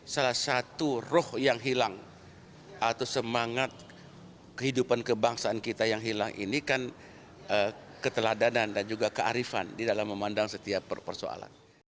salah satu roh yang hilang atau semangat kehidupan kebangsaan kita yang hilang ini kan keteladanan dan juga kearifan di dalam memandang setiap persoalan